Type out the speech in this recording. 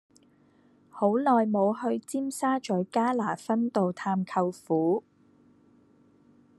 好耐無去尖沙咀加拿分道探舅父